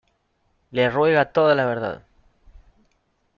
Le ruega toda la verdad.